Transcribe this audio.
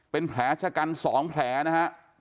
เป็นแผลชะกัน๒แผลนะฮะ